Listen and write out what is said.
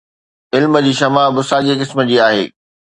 علم جي شمع به ساڳي قسم جي آهي.